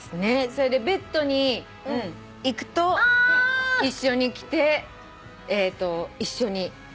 それでベッドに行くと一緒に来て一緒に寝ています。